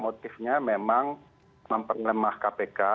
motifnya memang memperlemah kpk